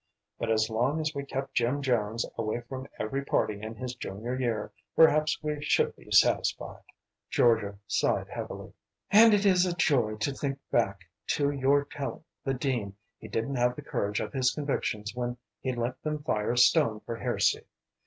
But as long as we kept Jim Jones away from every party in his junior year, perhaps we should be satisfied." Georgia sighed heavily. "And it is a joy to think back to your telling the dean he didn't have the courage of his convictions when he let them fire Stone for heresy.